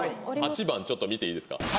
８番ちょっと見ていいですか？